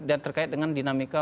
dan terkait dengan dinamika